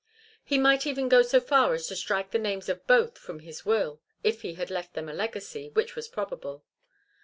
He might even go so far as to strike the names of both from his will, if he had left them a legacy, which was probable.